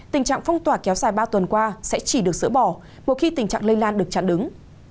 tình trạng phong tỏa kéo dài ba tuần qua sẽ chỉ được sỡ bỏ một khi tình trạng lây lan được chặn đứng